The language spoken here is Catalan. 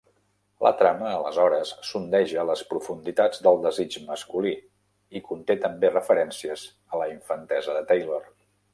La trama aleshores sondeja les profunditats del desig masculí i conté també referències a la infantesa de Taylor.